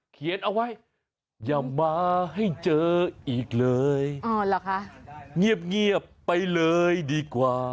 เขียนเอาไว้อย่ามาให้เจออีกเลยอ๋อเหรอคะเงียบไปเลยดีกว่า